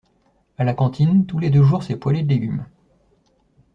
À la cantine, tous les deux jours c'est poêlée de légumes.